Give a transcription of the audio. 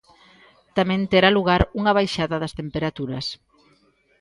Tamén terá lugar unha baixada das temperaturas.